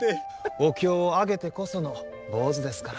お経をあげてこその坊主ですから。